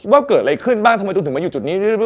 ว่าเกิดอะไรขึ้นบ้างทำไมคุณถึงมาอยู่จุดนี้